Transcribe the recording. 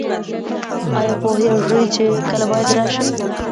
ایا پوهیږئ چې کله باید راشئ؟